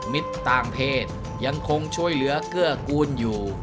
มิตรต่างเพศยังคงช่วยเหลือเกื้อกูลอยู่